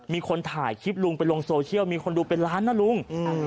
มีคนถ่ายคลิปลุงไปลงโซเชียลมีคนดูเป็นล้านนะลุง